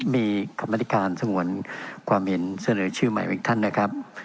มีกรรมธิการสงวนความเห็นเสนอชื่อใหม่อีกท่านนะครับ